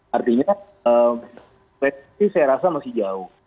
artinya prediksi saya rasa masih jauh